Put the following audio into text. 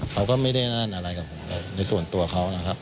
เขาก็ไม่ได้นั่นอะไรกับผมเลยในส่วนตัวเขานะครับ